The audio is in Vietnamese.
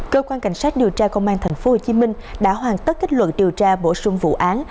cơ quan cảnh sát điều tra công an thành phố hồ chí minh đã hoàn tất kết luận điều tra bổ sung vụ án